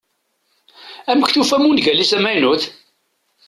Amek tufam ungal-is amaynut?